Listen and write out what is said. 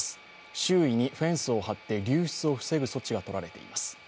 周囲にフェンスを張って流出を防ぐ措置が取られています。